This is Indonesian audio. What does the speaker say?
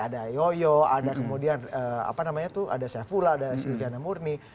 ada yoyo ada kemudian apa namanya tuh ada saifullah ada silviana murni